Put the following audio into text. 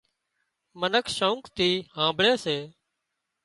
منک شوق ٿِي هامڀۯي سي